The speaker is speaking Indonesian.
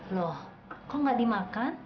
loh kok gak dimakan